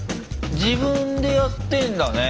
自分でやってんだね。